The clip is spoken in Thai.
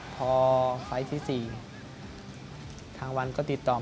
พอไฟตสีทางวันก็ติดต่อมา